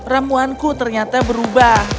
ramuanku ternyata berubah